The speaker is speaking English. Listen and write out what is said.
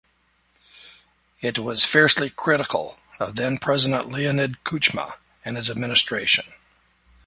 It was fiercely critical of then-President Leonid Kuchma and his administration.